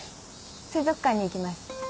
水族館に行きます。